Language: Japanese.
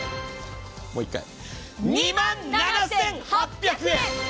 もう１回、２万７８００円！！